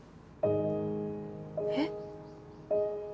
えっ？